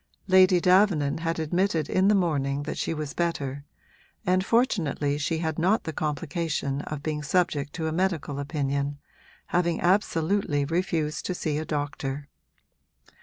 Lady Davenant had admitted in the morning that she was better, and fortunately she had not the complication of being subject to a medical opinion, having absolutely refused to see a doctor.